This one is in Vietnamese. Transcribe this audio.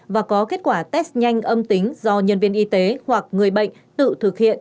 và có kết quả test nhanh âm tính do nhân viên y tế hoặc người bệnh tự thực hiện